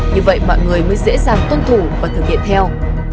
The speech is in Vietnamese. như vậy mọi người mới dễ dàng tuân thủ và thực hiện theo